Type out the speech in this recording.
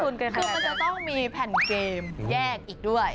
คือมันจะต้องมีแผ่นเกมแยกอีกด้วย